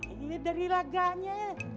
ini dari laganya ya